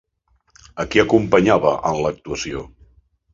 A qui acompanyava en l'actuació?